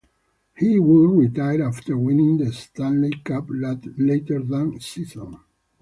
He would retire after winning the Stanley Cup later that season.